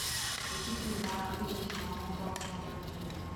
Effectivement, l’article suivant renforce l’enjeu régional.